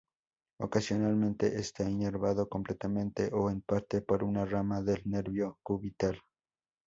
Ocasionalmente está inervado, completamente o en parte, por una rama del nervio cubital.